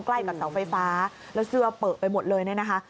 ใกล้กับเสาไฟฟ้าแล้วเสื้อเปลือไปหมดเลยเนี่ยนะคะ